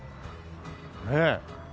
ねえ。